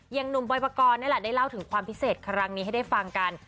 หนุ่มบอยปกรณ์นั่นแหละได้เล่าถึงความพิเศษครั้งนี้ให้ได้ฟังกัน